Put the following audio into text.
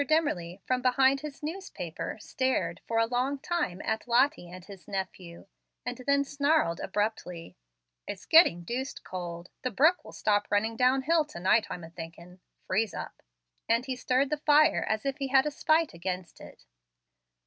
Dimmerly, from behind his newspaper, stared for a long time at Lottie and his nephew, and then snarled abruptly: "It's getting deuced cold. The brook will stop running down hill to night, I'm a thinking, freeze up"; and he stirred the fire as if he had a spite against it.